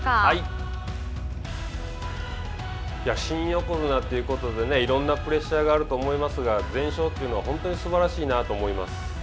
新横綱ということでいろんなプレッシャーがあると思いますが、全勝というのは本当にすばらしいなと思います。